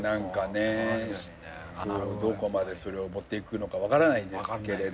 どこまでそれを持っていくのか分からないですけれど。